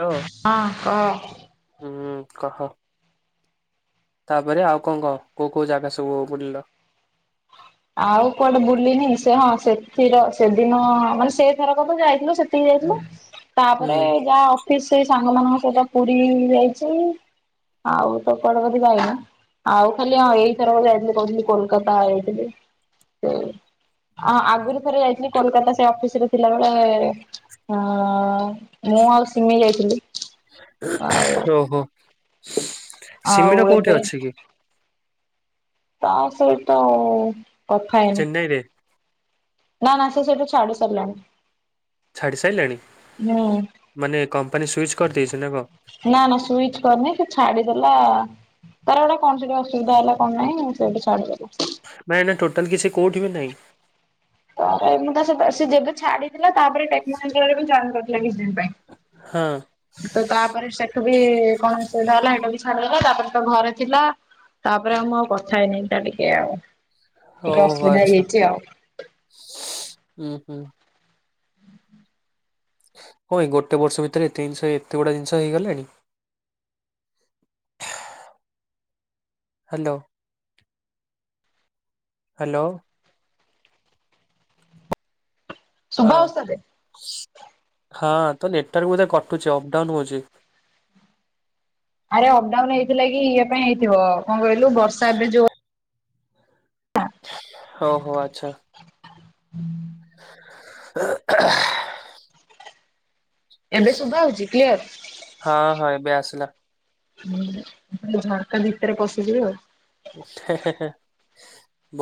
Hello ହଁ କହ। ହୁଁ କହ। ତାପରେ ଆଉ କଣ କଣ କୋଉ କୋଉ ଜାଗା ସବୁ ବୁଲିଲ? ଆଉ କୁଆଡେ ବୁଲିନି ସେ ହଁ ସେଥିର ସେଦିନ ମାନେ ସେ ଥରକ ତ ଯାଇଥିଲୁ ସେତିକି ଯାଇଥିଲୁ। [inaudible] ତାପରେ ଯାହା ଅଫିସ ସେଇ ସାଙ୍ଗ ମାନଙ୍କ ସହିତ ପୁରୀ ଯାଇଛି। ଆଉ ତ କଡବଦ ଯାଇନା ଆଉ ଖାଲି ହଁ ଏଇଥର କ ଯାଇଥିଲି କହୁଥିଲି କୋଲକାତା ଯାଇଥିଲି। ଆଗରୁ ଥରେ ଯାଇଥିଲି କୋଲକାତା ସେ ଅଫିସ ରେ ଥିଲାବେଳେ ହଁ ମୁଁ ଆଉ ସମି ଯାଇଥିଲି ଆଉ ଓହୋ ଆଉ ସିମିର କୋଉଠି ଏବେ ଅଛି କି ତା ସହିତ ଆଉ କଥା ହେଇନି ଚେନ୍ନାଇ ରେ ନା ନା ସେ ସେଇଠୁ ଛାଡ଼ି ସାରିଲାଣି ଛାଡ଼ି ସାରିଲେଣି ହୁଁ। ମାନେ କମ୍ପାନୀ ସୁଇଚ୍ କରିଦେଇଛି ନା କଣ ନା ନା ସୁଇଚ କରିନି ସେ ଛାଡିଦେଲା ତାର ଗୋଟା କଣ ସେଠି ଅସୁବିଧା ହେଲା କଣ ନାହିଁ ସେଇଠ ଦବ ମ ଏ ଟୋଟଲ କିଛି କଉଠିିବ ନାହିଁ ତା ମୁଁ ତା ଯେବେ ଛାଡିଥିଲା ତାପରେ ଟେକ୍ନୋଲଏ କରି ଡିିନ ପାଇଁ ହଁ। ତ ତାପରେ ସେଠୁ ବି କଣ ଅସୁବିଧା ହେଲା ସେଇଟା ବି ଛଡିଗଲା ତାପରେ ତ ଘରେ ଥିଲା। ତାପରେ ଆମୁଁ ଆଉ କଥା ହେଇନି ତା ଟିକେ ଆଉ ଟିକେ ହଉ ଅସୁବିଧା ଆଚଛା ହେଇଯାଇଛି ଆଉ। ହୁଁ ହୁଁ। ହଁ ଏ ଗୋଟେ ବର୍ଷ ଭିତରେ ଏତ ଜିନିଷ ଏତେ ଗୁଡ଼ା ଜିଷ ହେଇଗଲାଣି। Hello hello. ହଁ ଶୁଭା ହଉଛି ତତେ? ହଁ ତ ନେଟୱାର୍କ ବଧେ କଟୁଛି ଅପଡାଉନ ହଉଛି? ଆରେ ଅପଡାଉନ ହେଇଥିଲା କି ଇଏ ପାଇଁ ହେଇଥିବ କଣ କହିଲୁ ବର୍ଷା ଏବେ ଯୋଉ ହଉ ହୋ ଆଚଛା [inaudible] [inaudible] ଏବେ ଶୁଭା ହଉଛି କ୍ଲିୟର? ହଁ ହଁ ଏବେ ଆସିଲା। ହୁଁ ଝାରଖଣ୍ଡ ଭିତରେ ପଶିଯିବି ଆଉ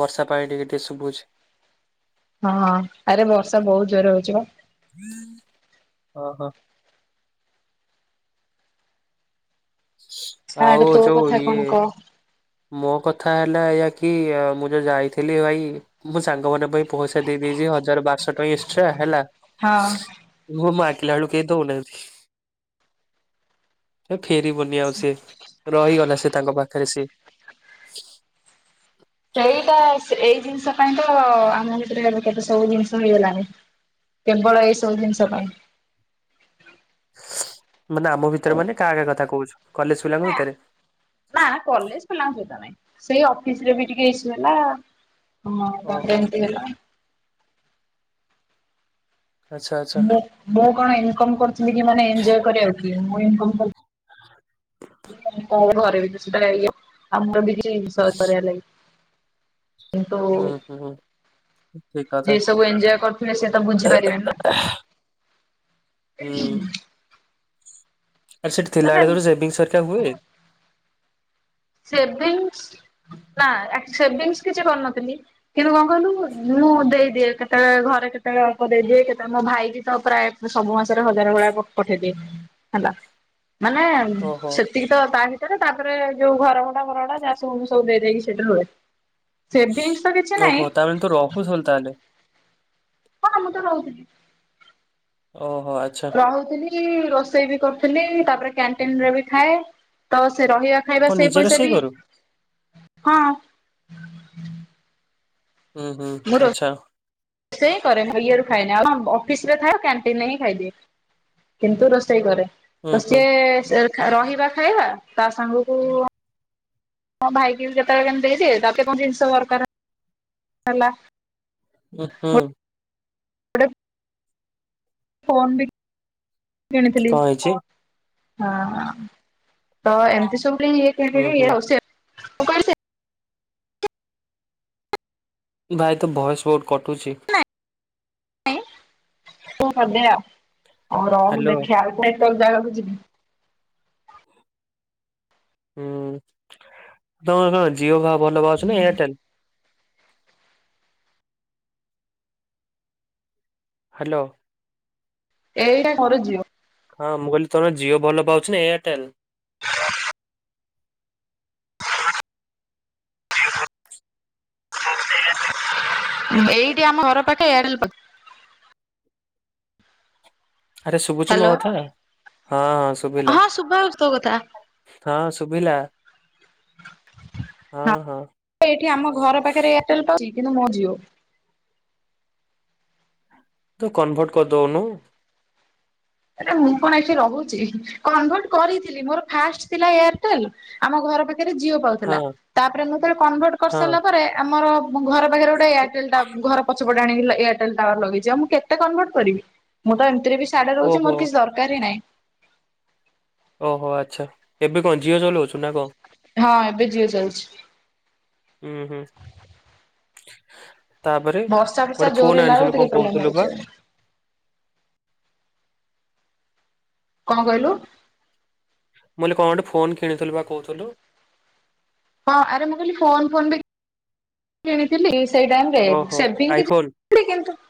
ବର୍ଷା ପାଣି ଟିକେ ଟିକେ ଶୁଭୁଛି। ହଁ ଆରେ ବର୍ଷା ବହୁତ ଜୋରରେ ହଉଛି ବ ହଁ ହଁ। ଛାଡେ ଆଉ ତୋ ଯଉ କଥା କଣ ଇଏ କହ ମୋ କଥା ହେଲା ଏଇୟା କି ମୁଁ ଯୋଉ ଯାଇଥିଲି ଭାଇ ମୁଁ ସାଙ୍ଗ ମାନଙ୍କ ପାଇଁ ପଇସା ଦେଇଦଛି ହଜାର ବାରଶହ ଟଙ୍କା ଏକ୍ସଟ୍ରା ହେଲା ହଁ। ମୁ ମାକିଲ ଆଳୁ କେହି ଦଉନାନ୍ତି ଫେରି ବୁନି ଆଉ ସି ରହିଗଲା ସେ ତାଙ୍କ ପାଖରେ ସେ ସେଇଟା ଏଇ ଜିନିଷ ପାଇଁ ତ ଆମ ଭିତରେ ଏବେ କେତେ ସବୁ ଜିନିଷ ହେଇଗଲାଣିି। କେବଳ ଏଇ ସବୁ ଜିନିଷ ପାଇଁ। ମାନେ ଆମ ଭିତରେ ମାନେ କାହା କାହା କଥା କହୁଛୁ କଲେଜ ପିଲାଙ୍କ ଭିତରେ? ନା କଲେଜ ପିଲାଙ୍କ ସହିତ ନାଇଁ ସେଇ ଅଫିସ ରେ ବି ଟିକେ ଇ ସୁ ହେଲା? ହଁ ତାପରେ ଓହୋ ଏମିତି ହେଲା ଆଚ୍ଛା ଆଚ୍ଛା ମୁଁ ମୁଁ କଣ ଇନକମ୍ କରୁଥିଲି କି ମାନେ ଏଞ୍ଜୟ କରିବାକୁ କି ମୁଁ ଇନଥି [unintelligible] ହୁଁ ହୁଁ ଠିକ୍ କଥା। ଯିଏ ସବୁ ଏଞ୍ଜୟ କରୁଥିଲେ ସେ ତ ବୁଝିପାରିବେନି ହୁଁ। ଆରେ ସେଠି ଥିଲାବେଳେ ନା। ତୋ ସେଭିନ୍ସ ହେରିକା ହୁଏ। ସେଭିଂସ ନା ସେଭିଂସ କିଛି କରିନଥିଲି। କିନ୍ତୁ କଣ କହିଲୁ ମୁଁ ଦେଇଦିଏ କେତେବେଳେ ଘରେ କେତେବେଳେ ଅଳ୍ପ ଦେଇଦିଏ କେତେବେଳେ ମୋ ଭାଇ ବି ତ ପ୍ରାୟ ସବୁ ମାସରେ ହଜାର ଭଳିଆ ପଠେଇଦିଏ ହେଲା। ମାନେ ଓହୋ ସେତିକି ତ ତା ଭିତରେ ତାପରେ ଯୋଉ ଘରଭଡ଼ା ଘରଭଡା ଯାହା ସବୁ ସବୁ ଦେଇଦେଇକି ସେଇଠା ହୁଏ ସେଭିଂ ଓହୋ ତାମାନେ ତୁ ରହୁଥିଲୁ ତାହେଲେ। ହଁ ମୁଁ ତ ରହୁଥିଲି। ଓହୋ ଆଚ୍ଛା। ଖାଉଥିଲି ରୋଷେଇ ବି କରୁଥିଲି ତାପରେ କ୍ୟାଣ୍ଟିନରେ ବି ଖାଏ ତ ସେ ରହିବା ଖାଇବା କଣ ସେଇ ନିଜେ ପଇସାରେ ରୋଷେଇ ବି କରୁ? ହଁ। ହୁଁ ହୁଁ ଆଚ୍ଛା। ସେୟା କରେ ଇଆଡୁ ଖାଇନିଏ ଅଫିସ ରେ ଥାଏ କ୍ୟାଣ୍ଟିନରେ ହିଁ ଖାଇଦିଏ। କିନ୍ତୁ ରୋଷେଇ କରେ ହୁଁ ତ ହୁଁ ସିଏ ରହିବା ଖାଇବା ତା ସାଙ୍ଗକୁ ହଁ ଭାଇକି କେତେବେଳେ କେମିତି ଦେଇଦେ ତା କେତେବେଳେ କଣ ଜିନିଷ ଦରକାର ହେଲା। ହୁଁ ହୁଁ। ଗୋଟେ ଫୋନ ବି କିଣିଥିଲି କଣ ହେଇଛି? ହଁ। ତ ଏମିତି ସବୁବେଳେ ହୁଁ ହୁଁ ଇଏ [unintelligible] ଭାଇ ତ ଭଏସ ବହୁତ କଟୁଛି। ଆଉ ରଙ୍ଗ ହ୍ୟାଲୋ ଦେଖିବା [unintelligible] ଜାଗାକୁ ଯିବି। ହୁଁ ତମର କଣ ଜିଓ ବା ଭଲ ପା ଅଛି ନା ଏୟାରଟେଲ। ହାଲୋ। ଏଇଟା ମର ଜିଓ। ହଁ ମୁଁ କହିଲି ତମର ଜିଓ ଭଲ ପାଉଛି ନା ଏୟାରଟେଲ। ଏଇଠି ଆମ ଘର ପାଖେ ଏୟାଡ଼ଲ। ଆରେ ଶୁଭୁଛିୁ ମୋ ହାଲୋ। କଥା ହଁ ହଁ ଶୁଭିଲା। ହଁ ଶୁଭିଲା। ହଁ ହଁ ଏଠି ଆମ ଘର ପାଖରେ ଏୟାରଟେଲ ପାଉଛି କିନ୍ତୁ ମୋ ଜିଓ ତ କନଭର୍ଟ କରିଦଉନୁ। ଆରେ ମୁଁ କଣ ଏଠି ରହୁଛି କନଭର୍ଟ କରିଥିଲି ମୋର ଫାଷ୍ଟ ଥିଲା ଏୟାରଟେଲ। ଆମ ଘର ପାଖରେ ଜିଓ ପାଉଥିଲା ହଁ ତାପରେ ମୁଁ ତ କନଭର୍ଟ ହଁ କରିସାରିଲା ପରେ ଆମର ମୋ ଘର ପାଖରେ ଗୋଟେ ଏୟାରଟେଲ ଟ ଘର ପଛପଟେ ଆଣିକି ଏୟାରଟେଲ ଟାୱାର ଲଗେଇଛି ଆ ମୁଁ କେତେ କନଭର୍ଟ କରିବି। ମୁଁ ତ ଏମିତି ସାଢେ ରହୁଛି ଓହୋ ମୋର କିଛି ଦରକାର ହି ନାହିଁ। ଓହୋ ଆଚ୍ଛା ଏବେ କଣ ଝିଅ ଚଲଉଛୁ ନା କଣ? ହଁ ଏବେ ଜିଓ ଚାଲିଛି। ହୁଁ ହୁଁ। ତାପରେ ବର୍ଷା ଫର୍ଷା ଗୋଟେ ଜୋର ଫୋନ ହେଲା ବେଳକୁ ଆଣିଥିଲୁ ଟିକେ କଣ ପ୍ରୋବ୍ଲେମ କହୁଥିଲୁ ପା। ହଉଛି। କଣ କହିଲୁ? ମୁଁ କହିଲି କଣ ଗୋଟେ ଫୋନ କିଣିଥିଲୁ ବା କହୁଥିଲୁ। ହଁ ଆରେ ମୁଁ କହିଲି ଫୋନ ଫୋନ୍ ବି କିଣିଥିଲି ସେଇ ଟାଇମରେ ଓହୋ ସେଭିଂ ଆଇଫୋନ କିଛି କିନ୍ତୁ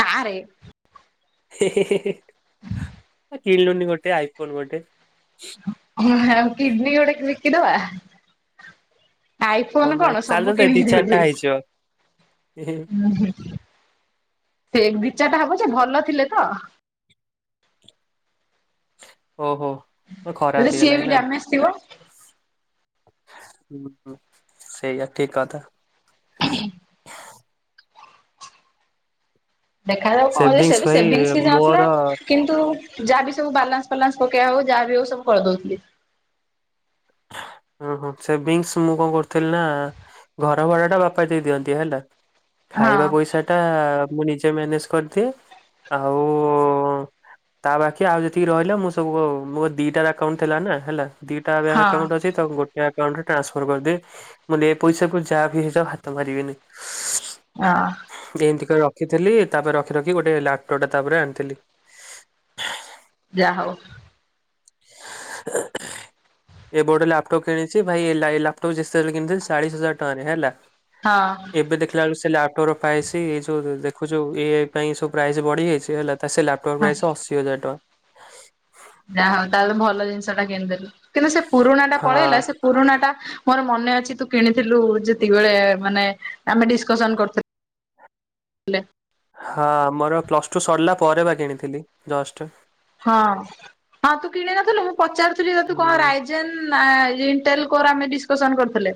ନା ରେ। କିଣିଲୁନି ଗୋଟେ ଆଇଫୋନ୍ ଗୋଟେ। ଆ କିଡନୀ ଗୋଟେ ବିକିଦବା। ଆଇଫୋନ ହଁ କଣ ଚାଲ ତ ସବୁ ଦି କିଣିକି ଚାରିଟା ହେଇଯିବ ହିଁ, ଦେଇଦେବି। [inaudible] ଟା ହବ ଯେ ଭଲ ଥିଲେ ତ। ଓହୋ। ଖରାପ ହେଲେ ସିଏ ହେଇଗଲାଣି ବି ଡାମେଜ ଥିବ। ହଁ ସେଇଆ ଠିକ କଥା। [unintelligible] ଦେଖାଯାଉ କଣ ସେ ସେଭିଙ୍ଗସ ଭାଇ ସେବିନ୍ସି ଯାଉଥିଲା। ମୋର କିନ୍ତୁ ଯାହା ବିି ସବୁ ବାଲାନ୍ସ ଫଲାନ୍ସ ପକେଇବା ହଉ ଯାହା ବି ହଉ ସବୁ କରିଦେଉଥିଲି। ହଁ ହଁ ସେଭିଙ୍ଗସ ମୁଁ କଣ କରୁଥିଲି ନା ଘର ଭଡା ଟା ବାପା ଦେଇ ଦିଅନ୍ତି ହେଲା ହଁ ଖାଇବା ପଇସା ସେଟା ମୁଁ ନିଜେ ମ୍ୟାନେଜ କରିଦିଏ ଆଉ ତା ବାକିଆଉ ଯେତିକି ରହିଲା ମୁଁ ସବୁ ମୋର ଦିଟା ଆକାଉଣ୍ଟ ଥିଲା ନା ହେଲା ଦିଟା ବ୍ୟାଙ୍କ ହଁ ଆକାଉଣ୍ଟ ଅଛି ତାକୁ ଗୋଟଏ ଆକାଉଣ୍ଟରେ ଟ୍ରାନ୍ସଫର୍ କରିଦିଏ। ଏ ପଇସା କୁ ଯାହାବି ହେଇଯାଉ ହାତ ମାରିବିନି। ହଁ। ଏମିତି କରି ରଖିଥିଲି ତାପରେ ରଖି ରଖି ଗୋଟେ ଲାପଟପ୍ ଟା ତାପରେ ଆଣିଥିଲି। ଯାହାହଉ। [unintelligible] ଏ ଗୋଟେ ଲାପଟପ କିଣିଛି ଭାଇ ଲାପଟପ ଯେତେବେଳେ କିଣିଥିଲି ଚାଳିଶ ହଜାର ଟଙ୍କାରେ ହେଲା। ହଁ। ଏବେ ଦେଖିଲା ବେଳ ସେ ଲାପଟପ ପ୍ରାଇସ [inaudible] ଏଇ ଯେଉଁଦେଖୁଛୁ ଇଏ ପାଇଁ ସବୁ ପ୍ରାଇସ୍ ବଢ଼ିଯାଇଛି ହେଲା ସେ ଲାପଟପ୍ ମୋର ହଁ। ପ୍ରାଇସ ଅଶୀ ହଜାର ଟଙ୍କା। ଯା ହଉ ତାହେଲେ ଭଲ ଜିନିଷ ଟା କିଣିଦେଲୁ କିନ୍ତୁ ସେ ପୁରୁଣା ଟା ପଳେଇଲା ହଁ। ସେ ପୁରୁଣା ଟା ମୋର ମନେ ଅଛି ତୁ କିଣିଥିଲୁ ଯେତିକିିବଳେ ମାନେ ଆମେ ଡିକ୍ସସନ୍ କରୁଥିଲେ। [unintelligible] ହଁ ମୋର ପ୍ଲସ ଟୁ ସରିଲା ପରେ ବା କିଣିଥିଲି ଜଷ୍ଟ। ହଁ ହଁ ତୁ କିଣି ନଥିଲୁ ମୁଁ ପଚାରୁଥିଲି ତୁ କଣ ହୁଁ ରାଇ ଦେନ୍ ନା ଇଣ୍ଟେଲ କୋର୍ ଡିସ୍କସନ୍ କରିଥିଲେ।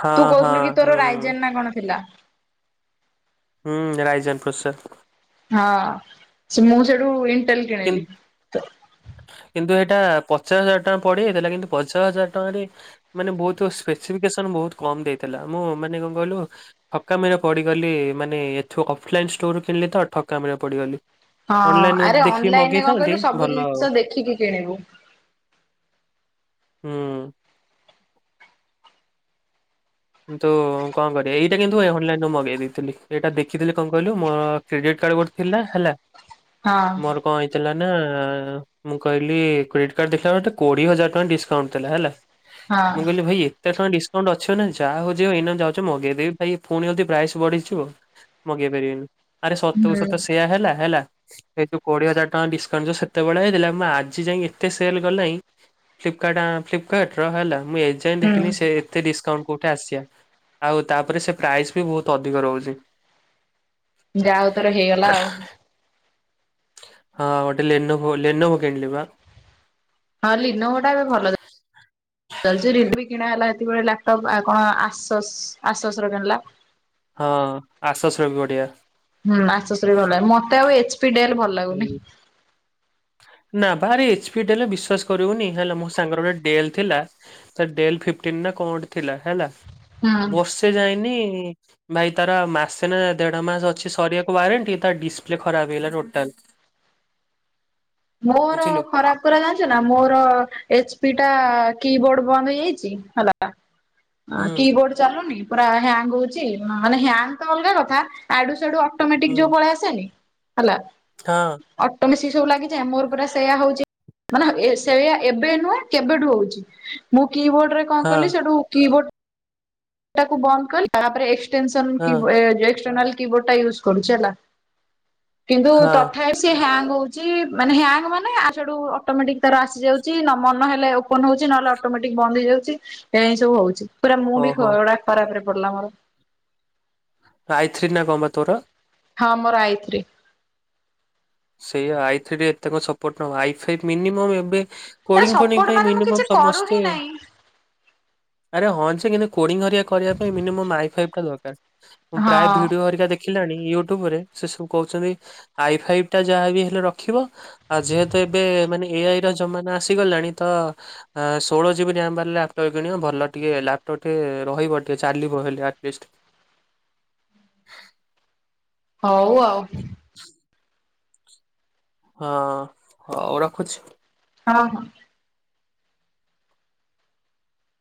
ହଁ ତୁ ହଁ କହୁଥିଲୁ କି ତୋର ହୁଁ ରାଇଜାନ ନା କଣ ଥିଲା। ହୁଁ ରାଇଜାନ [inaudible] ହଁ ମୁଁ ସେଠୁ ଇଣ୍ଟଲେ [unintelligible] [unintelligible] କିନ୍ତୁ ଏଇଟା ପଚାଶ ହଜାର ଟଙ୍କା ପଡିଯାଇଥିଲା କିନ୍ତୁ ପଚାଶ ହଜାର ଟଙ୍କାରେ ମାନେ ବହୁତ ସ୍ପେସିଫିକେସନ ବହୁତ କମ ଦେଇଥିଲା ମୁଁ ମାନେ କଣ କହିଲୁ। ଠକାମି ରେ ପଡିଗଲି ମାନେ ଏଠୁ ଅଫଲାଇନ ଷ୍ଟୋର କିଣିଲି ତ ଠକାମିରେ ପଡିଗଲି। ହଁ ଅନଲାଇନ ଆରେ ଦେଖିକି ଅନଲାଇନରେ କଣ ମଗେଇଥାନ୍ତି କହିଲୁ ସବୁ ଭଲ ଜିନିଷ ଦେଖିକି କିଣିବୁ। ହୁଁ। କିନ୍ତୁ କଣ କରିବି ଏଇଟା କିନ୍ତୁ ଅନଲାଇନୁ ମଗେଇ ଦେଇେଇଥିଲି ଏଇଟା ଦେଖିଥିଲି କଣ କହିଲୁ ମୋର କ୍ରେଡ଼ିଟ୍ କାର୍ଡ଼ ଗୋଟେ ଥିଲା ହେଲା ହଁ ମୋର କଣ ହେଇଥିଲା ନା ମୁଁ କହିଲି କ୍ରେଡିଟ କାର୍ଡ ଦେଖିଲା ମାତ୍ର କୋଡିଏ ହଜାର ଟଙ୍କା ଡିକାଉଣ୍ଟ ଥିଲା ହେଲା। ହଁ ମୁଁ କହିଲି ଭାଇ ଏତେ ଟଙ୍କା ଡିସକାଉଣ୍ଟ ଅଛି ନା ନାଇ। ଯାହା ହଉଚି ହଉ ଏଇନା ଯାଉଚି ମଗେଇଦେବି ଭାଇ ପୁଣି ଯଦି ପ୍ରାଇସ୍ ବଢିଯିବ ମଗେଇ ପାରିବିନି। ଆରେ ସତକୁ ହୁଁ ସତ ସେୟା ହେଲା -ହେଲା। ଏଇ ଯଉ କୋଡିଏ ହଜାର୍ ଟଙ୍କା ଡିସକାଉଣ୍ଟ୍ ଯଉ ସେତେବେଳେ ହେଇଥିଲା ମୁଁ ଆଜି ଯାଇ ଏତେ ସେଲ୍ [unintelligible] ଫ୍ଲିପକାର୍ଟ ଆ-ଫ୍ଲିପକାର୍ଟ୍ ର ହେଲା ମୁଁ ଏଯାଏଁ ହୁଁ ଦେଖିନି ସେ ଏତେ ଡିସକାଉଣ୍ଟ୍ କଉଠି ଆସିବା ଆଉ ତାପରେ ସେ ପ୍ରାଇସ୍ ବି ବହୁତ୍ ଅଧିକ ରହୁଚି। ଯାହଉ ତାର ହେଇଗଲା ଆଉ। ହଁ ଗୋଟେ ଲେନୋଭୋ -ଲେନୋଭୋ କିଣିଲି ବା। ହଁ ଲିନୋଭା ଟା ଏବେ ଭଲ ଚାଲୁଚି। ଚାଲିଚି ରିଡଭି କିଣା ହେଲା ହେତିକିବେଳେ ଲାପଟପ୍ ଆଉ କଣ ଆସସ୍- ଆସସ୍ ର କିଣିଲା। ହଁ ଆସସ୍ ର ବି ବଢିଆ। ହୁଁ ଆସସ୍ ଭଲ ମତେ ଆଉ ଏଚ୍ ପି ଡେଲ୍ ଭଲ୍ ହୁଁ। ନା ଭାରି ଏଚ୍ ପି ଡେଲ୍ ବିଶ୍ଵାସ କରିବୁନି ହେଲା ମୋ ସାଙ୍ଗର ଗୋଟେ ଡି ଏଲ୍ ଥିଲା ସେ ଡେଲ୍ ଫିପ୍ଟିନ୍ ନା କଣ ଗୋଟେ ଥିଲା ହେଲା ହୁଁ। ବର୍ଷେ ଯାଇନି ଭାଇ ତାର ମାସେ ନା ଦେଢ ମାସ ଅଛି ସରିବାକୁ ୱାରେଣ୍ଟି ତାର ଡିସପ୍ଲେ ଖରାପ୍ ହେଇଗଲା ଟୋଟାଲ୍। ମୋର ବୁଝିଲୁ। ଖରାପ୍ ଜାଣିଚୁ ନା ମୋର ଏଚ୍ ପି ଟା କି ବୋର୍ଡ ବନ୍ଦ ହେଇଯାଇଚି ହେଲା ଅଁ- କି ହୁଁ ବୋର୍ଡ ଚାଲୁନି ପୁରା ହ୍ୟାଙ୍ଗ୍ ହଉଚି ମାନେ ହ୍ୟାଙ୍ଗ୍ ତ ଅଲଗା କଥା ଆଡୁ ସାଡୁ ଅଟୋମେଟିକ୍ ହୁଁ ଯଉ ପଳେଇ ଆସେନି ହେଲା ହଁ। ଅଟୋମେସି ସବୁ ଲାଗିଯାଏ ମୋର ପୁରା ସେୟା ହଉଚି ମାନେ ଏ-ସେଇଆ ଏବେ ନୁହେଁ କେବେଠୁ ହଉଚି ମୁଁ କି ବୋର୍ଡ ରେ କଣ ହଁ କଲି ସେଠୁ କି ବୋର୍ଡ ତାକୁ ବନ୍ଦ କଲି ତାପରେ ଏକ୍ସଟେସନ୍ ହଁ କି ବୋର୍ଡ ଏ- ଏକ୍ସଟର୍ନାଲ୍ କି ବୋର୍ଡ ଟା ୟୁଜ୍ କରୁଚି ହେଲା କିନ୍ତୁ ହଁ ତଥାପ୍ ହ୍ୟାଙ୍ଗ୍ ହଉଚି ମାନେ ହ୍ୟାଙ୍ଗ୍ ମାନେ ଆଡୁ ସାଡୁ ଅଟୋମେଟିକ୍ ତାର ଆସିଯାଉଚି ମନ ହେଲେ ଓ ଓପନ୍ ହଉଚି ନହେଲେ ଅଟୋମେଟିକ୍ ବନ୍ଦ୍ ହେଇଯାଉଚି ଏ ସବୁ ହଉଚି ପୁରା ମୁଁ ବି ଓହୋ ଖରାପ୍ ରେ ପଡିଲା ମୋର। ହାଏଥ୍ରୀ ନା କଣ ବା ତୋର? ହଁ ମୋର ଆଇଥ୍ରୀ। ସେଇଆ ଆଇଥ୍ରୀ ଏତେ କଣ ସପୋର୍ଟ ନବ ଆଇଥ୍ରୀ ମିନିମମ୍ ଏବେ ତାର କୋଡିଙ୍ଗ୍ ଫୋଡିଙ୍ଗ୍ ସପୋର୍ଟ ପାଇଁ ମାନେ ମୁଁ କିଛି ମିନିମମ୍ କରୁ ହିଁ ସମସ୍ତେ ନାହିଁ। ଆରେ ହଁ ଯେ କିନ୍ତୁ କୋଡିଙ୍ଗ୍ ହରିଆ କରିବା ପାଇଁ ମିନିମମ୍ ଆଇଫାଇ ଟା ଦରକାର୍। ମୁଁ ହଁ ପ୍ରାୟ ଭିଡିଓ ହେରିକା ଦେଖିଲିଣି ୟୁଟ୍ୟୁବ୍ ରେ ସେ ସବୁ କହୁଚନ୍ତି ଆଇ ଫାଇ ଟା ଯାହା ବି ହେଲେ ରଖିବ ଆଉ ଯେହେତୁ ଏବେ ମାନେ ଏ ଆଇ ର ଜମାନା ଆସିଗଲାଣି ତ ଆଁ -ଷୋଳ ଜିବି ରାମ୍ ବାଲା ଲାପଟପ୍ କିଣିବ ଭଲ ଟିକେ ଲାପଟପ୍ ଟିକେ ରହିବ ଟିକେ ଚାଲିବ ହେଲେ ଆଟଲିଷ୍ଟ୍। ହଉ ଆଉ। ହଁ ହଉ ରଖୁଚି। [inaudible]